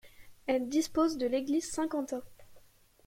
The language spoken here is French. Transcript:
Elle dispose de l'église Saint-Quentin.